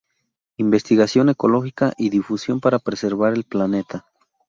Investigación ecológica y difusión para preservar el planeta.